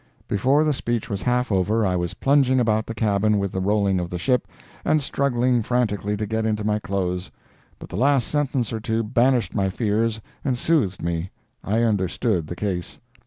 Before the speech was half over I was plunging about the cabin with the rolling of the ship, and struggling frantically to get into my clothes. But the last sentence or two banished my fears and soothed me, I understood the case.